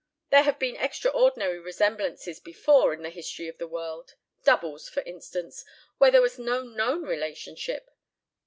There have been extraordinary resemblances before in the history of the world, 'doubles,' for instance, where there was no known relationship.